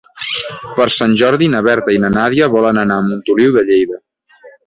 Per Sant Jordi na Berta i na Nàdia volen anar a Montoliu de Lleida.